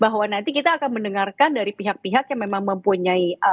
bahwa nanti kita akan mendengarkan dari pihak pihak yang memang mempunyai